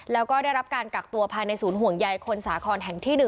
แล้วก็ได้รับการกักตัวภายในศูนย์ห่วงใยคนสาครแห่งที่๑